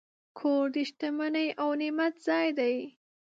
کور د شتمنۍ او نعمت ځای دی.